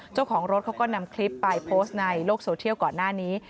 เจ้าของรถเขาก็นำคลิปไปโพสต์ในโลกโซเทียลก่อนหน้านี้